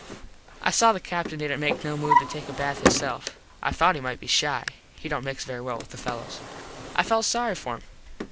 I saw the Captin didnt make no move to take a bath hisself. I thought he might be shy. He dont mix very well with the fellos. I felt sorry for him.